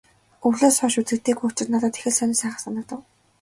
Өвлөөс хойш үзэгдээгүй учир надад их л сонин сайхан санагдав.